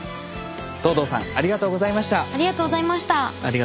藤堂さんありがとうございました。